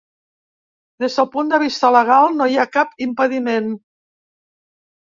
Des del punt de vista legal no hi ha cap impediment.